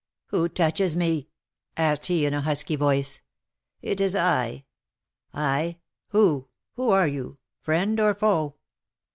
"Who touches me?" asked he, in a husky voice. "It is I." "I? Who? Who are you, friend or foe?"